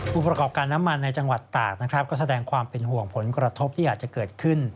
ผู้ประกอบการน้ำมันในจังหวัดตากนะครับก็แสดงความเป็นห่วงผลกระทบที่อาจจะเกิดขึ้น